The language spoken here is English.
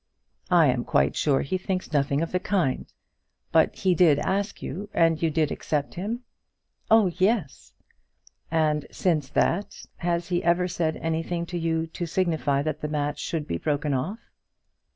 "I am quite sure he thinks nothing of the kind. But he did ask you, and you did accept him?" "Oh, yes." "And since that, has he ever said anything to you to signify that the match should be broken off?"